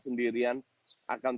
meskipun aku ya